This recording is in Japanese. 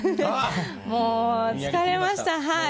もう疲れました。